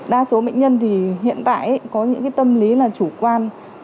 đa số bệnh nhân hiện tại có những tâm lý chủ quan